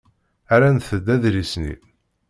Rrant-d adlis-nni.